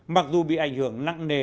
mặc dù bị ảnh hưởng nặng nề